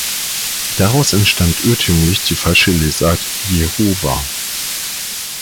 Daraus entstand irrtümlich die falsche Lesart "Jehova".